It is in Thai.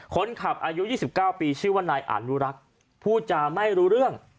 คนขับอายุยี่สิบเก้าปีชื่อว่านายอ่านรู้รักพูดจาไม่รู้เรื่อง